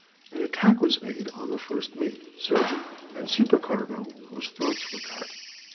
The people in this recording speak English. an attack was made on the first mate, surgeon, and supercargo, whose throats were cut.